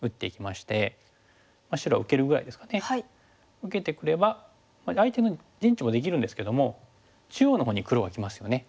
受けてくれば相手の陣地もできるんですけども中央のほうに黒がきますよね。